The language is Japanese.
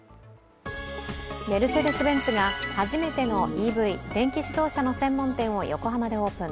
メルセデス・ベンツが初めてのＥＶ＝電気自動車の専門店を横浜でオープン